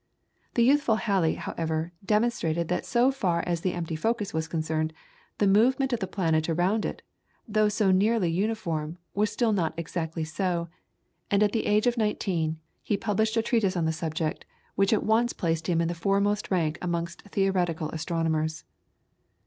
The youthful Halley, however, demonstrated that so far as the empty focus was concerned, the movement of the planet around it, though so nearly uniform, was still not exactly so, and at the age of nineteen, he published a treatise on the subject which at once placed him in the foremost rank amongst theoretical astronomers.